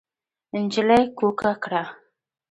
نجلۍ کوکه کړه.